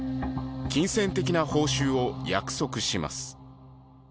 金銭的な報酬を約束します。